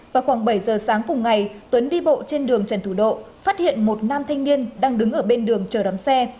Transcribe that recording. vào khoảng bảy giờ sáng cùng ngày tuấn đi bộ trên đường trần thủ độ phát hiện một nam thanh niên đang đứng ở bên đường chờ đón xe